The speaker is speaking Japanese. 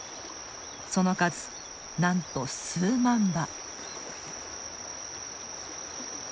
その数なんと数万羽！